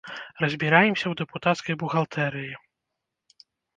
Разбіраемся ў дэпутацкай бухгалтэрыі.